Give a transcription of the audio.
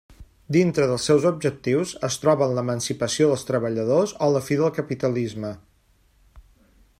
Dintre dels seus objectius es troben l'emancipació dels treballadors o la fi del capitalisme.